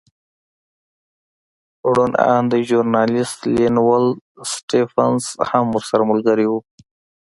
روڼ اندی ژورنالېست لینک ولن سټېفنس هم ورسره ملګری و.